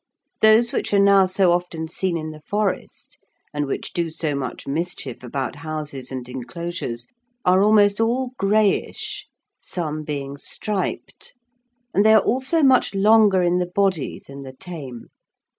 Those which are now so often seen in the forest, and which do so much mischief about houses and enclosures, are almost all greyish, some being striped, and they are also much longer in the body than the tame.